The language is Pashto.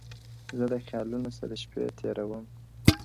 زه د خيالـونو ســـــره شــپـــې تـېـــــروم؛